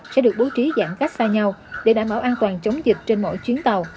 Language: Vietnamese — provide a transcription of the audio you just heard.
sẽ được bố trí giãn cách xa nhau để đảm bảo an toàn chống dịch trên mỗi chuyến tàu